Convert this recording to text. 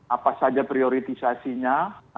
apa saja prioritasinya